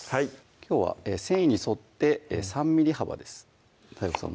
きょうは繊維に沿って３ｍｍ幅ですＤＡＩＧＯさん